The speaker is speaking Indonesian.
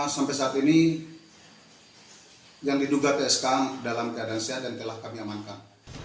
sampai saat ini yang diduga tsk dalam keadaan sehat dan telah kami amankan